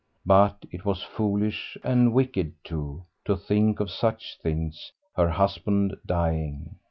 But it was foolish and wicked, too, to think of such things; her husband dying....